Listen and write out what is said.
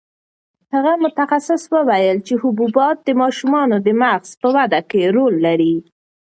هغه متخصص وویل چې حبوبات د ماشومانو د مغز په وده کې رول لري.